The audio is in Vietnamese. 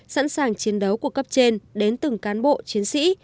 sẵn sàng chiến đấu của cấp trên đến từng cán bộ chiến sĩ